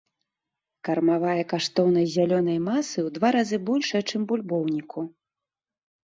Кармавая каштоўнасць зялёнай масы ў два разы большая, чым бульбоўніку.